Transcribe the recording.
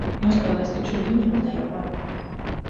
Jāspēlējas taču ir viņam, ne jau man!